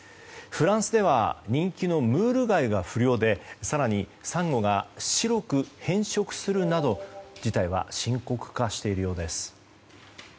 フランスでは人気のムール貝が不漁で更にサンゴが白く変色するなど事態は深刻化しているようです。